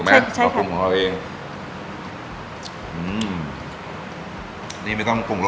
มันมีความดึงด้วย